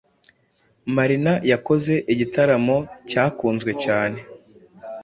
Marina yakoze igitaramo cyakunzwe cyane